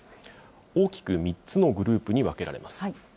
大きく３つのグループに分けられます。